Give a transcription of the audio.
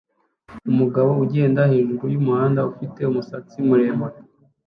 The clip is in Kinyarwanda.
Umugabo ugenda hejuru yumuhanda ufite umusatsi muremure